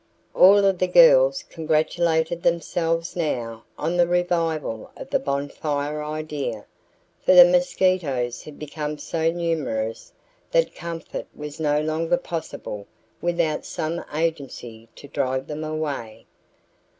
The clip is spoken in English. All of the girls congratulated themselves now on the revival of the bonfire idea, for the mosquitos had become so numerous that comfort was no longer possible without some agency to drive them away.